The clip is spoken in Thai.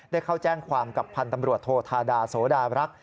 เข้าแจ้งความกับพันธ์ตำรวจโทธาดาโสดารักษ